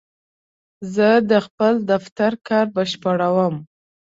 زه د خپل دفتر کار بشپړوم.